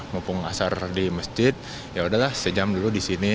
mumpung asar di masjid yaudahlah sejam dulu di sini